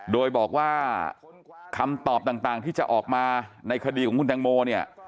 โดยบอกว่าคำตอบต่างที่จะออกมาในคดีของคุณแตงโมเนี่ย